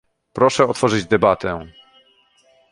Proszę otworzyć debatę